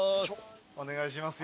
お願いしますよ。